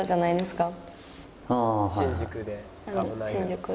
「新宿で危ないから」。